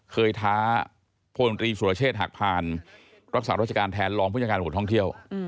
เคยท้าโภคดนตรีสุรเชษฐ์หากผ่านรักษาราชการแทนรองพุทธการห่วงท่องเที่ยว